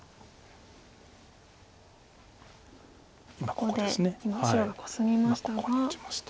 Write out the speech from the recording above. ここで今白がコスみましたが。